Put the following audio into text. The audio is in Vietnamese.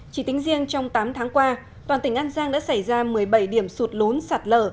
chỉ tính riêng trong tám tháng qua toàn tỉnh an giang đã xảy ra một mươi bảy điểm sụt lún sạt lở